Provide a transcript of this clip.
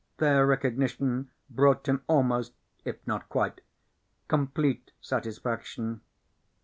Their recognition brought him almost, if not quite, complete satisfaction.